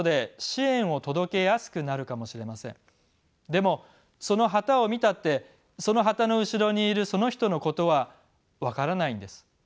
でもその旗を見たってその旗の後ろにいるその人のことは分からないんです。